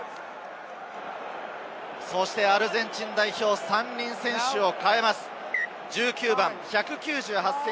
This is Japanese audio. そしてアルゼンチン代表、３人選手を代えます。